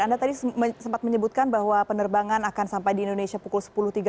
anda tadi sempat menyebutkan bahwa penerbangan akan sampai di indonesia pukul sepuluh tiga puluh